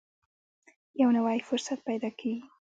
یو نوی فرصت پیدا کېږي.